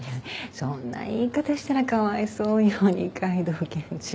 そんな言い方したらかわいそうよ二階堂検事が。